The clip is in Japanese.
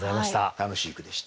楽しい句でした。